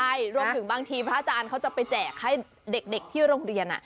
ใช่รวมถึงบางทีพระอาจารย์เขาจะไปแจกให้เด็กที่โรงเรียน